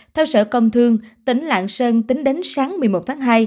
theo sở công thương tỉnh lạng sơn tính đến sáng một mươi một tháng hai